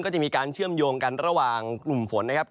ก็จะมีการเชื่อมโยงกันระหว่างกลุ่มฝนนะครับ